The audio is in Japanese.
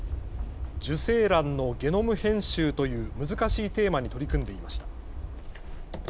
受精卵のゲノム編集という難しいテーマに取り組んでいました。